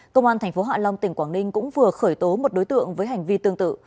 công an tp hạ long tỉnh quảng ninh cũng vừa khởi tố một đối tượng với hành vi tương tự